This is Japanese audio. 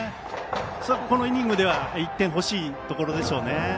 このイニングでは１点欲しいところでしょうね。